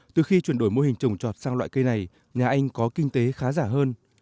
từ khi chuyển đổi mô hình trồng trọt sang loại cây này nhà anh có kinh tế khá giả hơn